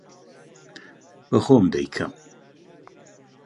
بە خۆم دەیکەم.